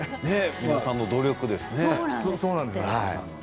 皆さんの努力ですね。